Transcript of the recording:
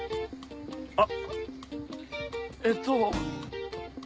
あえっと。